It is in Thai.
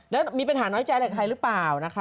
แล้วมีปัญหาน้อยใจใครหรือเปล่า